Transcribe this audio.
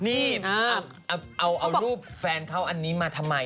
นี่เอารูปแฟนเขาอันนี้มาทำไม